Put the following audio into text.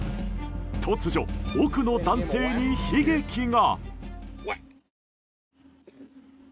突如、奥の男性に悲劇が。